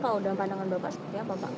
kalau dalam pandangan bapak seperti apa pak